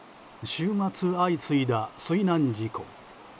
週末、相次いだ水難事故。